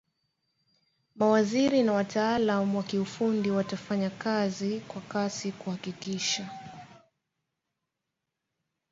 mawaziri na wataalamu wa kiufundi watafanya kazi kwa kasi kuhakikisha